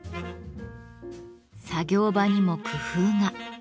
作業場にも工夫が。